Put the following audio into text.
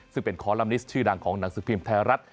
ซึ่งเป็นคอลัมนิสชื่อดังของหนังสือพิมพ์ไทยรัฐ